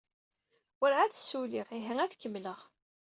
Werɛad ssuliɣ, ihi ad kemmleɣ.